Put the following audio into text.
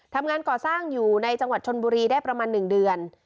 ทำงานก่อสร้างอยู่ในจังหวัดชนบุรีได้ประมาณ๑เดือน